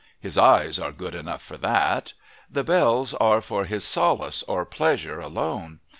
His eyes are good enough for that. The bells are for his solace or pleasure alone.